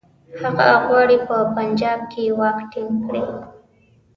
هغه غواړي په پنجاب کې واک ټینګ کړي.